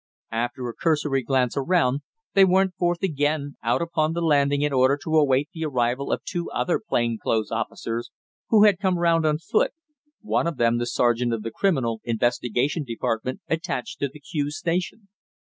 After a cursory glance around, they went forth again out upon the landing in order to await the arrival of two other plain clothes officers who had come round on foot, one of them the sergeant of the Criminal Investigation Department attached to the Kew station.